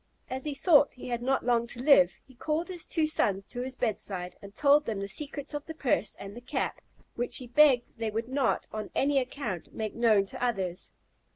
As he thought he had not long to live, he called his two sons to his bedside, and told them the secrets of the purse and the cap, which he begged they would not, on any account, make known to others.